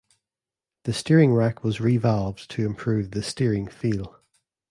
The steering rack was re-valved to improve the steering feel.